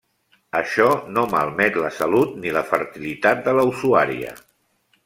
Això no malmet la salut ni la fertilitat de la usuària.